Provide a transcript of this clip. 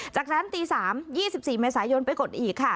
จากนั้นตี๓๒๔เมษายนไปกดอีกค่ะ